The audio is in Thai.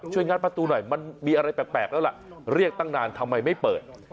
งัดประตูหน่อยมันมีอะไรแปลกแล้วล่ะเรียกตั้งนานทำไมไม่เปิด